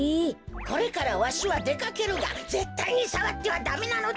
これからわしはでかけるがぜったいにさわってはダメなのだ！